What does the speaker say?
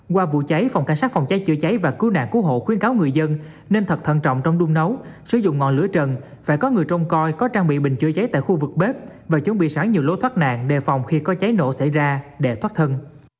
qua vụ cháy phòng cảnh sát phòng cháy chữa cháy và cứu nạn cứu hộ khuyến cáo người dân nên thật thận trọng trong đung nấu sử dụng ngọn lửa trần phải có người trông coi có trang bị bình chữa cháy tại khu vực bếp và chuẩn bị sáng nhiều lối thoát nạn đề phòng khi có cháy nổ xảy ra để thoát thân